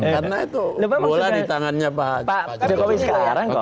karena itu bola di tangannya pak jokowi sekarang kok